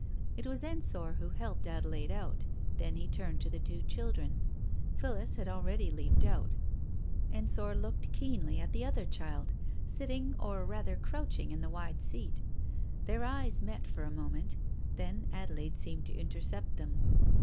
It was Ensor who helped Ade laide out. Then he turned to the two children. ..« Phillis had already leaped out. Ensor looked keenly at S2 Digitized by Google 260 TALES OF THE UNEASY the other child, sitting or rather crouching in the wide seat. Their eyes met for a moment. Then Adelaide seemed to intercept them.